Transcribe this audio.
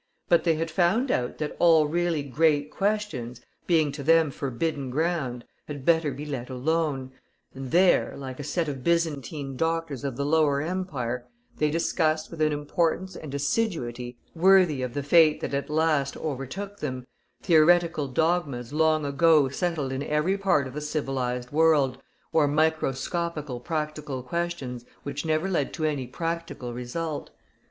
But they had found out that all really great questions, being to them forbidden ground, had better be let alone, and there, like a set of Byzantine doctors of the Lower Empire, they discussed with an importance and assiduity worthy of the fate that at last overtook them, theoretical dogmas long ago settled in every part of the civilized world, or microscopical practical questions which never led to any practical result.